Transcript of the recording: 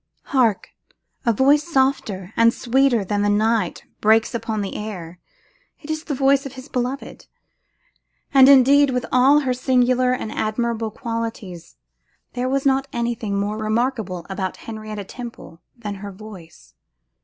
Hark! a voice softer and sweeter than the night breaks upon the air. It is the voice of his beloved; and, indeed, with all her singular and admirable qualities, there was not anything more remarkable about Henrietta Temple than her voice.